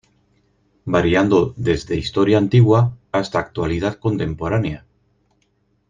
Variando desde historia antigua hasta actualidad contemporánea.